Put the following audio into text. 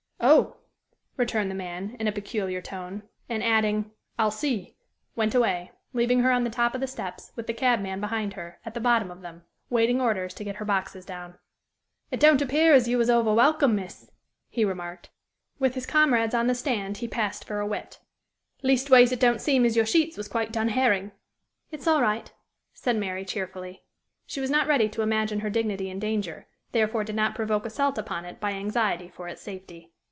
"Oh!" returned the man, in a peculiar tone, and adding, "I'll see," went away, leaving her on the top of the steps, with the cabman behind her, at the bottom of them, waiting orders to get her boxes down. "It don't appear as you was overwelcome, miss!" he remarked: with his comrades on the stand he passed for a wit; " leastways, it don't seem as your sheets was quite done hairing." "It's all right," said Mary, cheerfully. She was not ready to imagine her dignity in danger, therefore did not provoke assault upon it by anxiety for its safety.